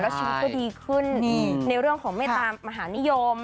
ชีวิตก็ดีขึ้นในเรื่องของเมตตามหานิยม